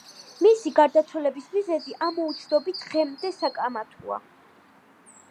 მისი გარდაცვალების მიზეზი ამოუცნობი დღემდე საკამათოა.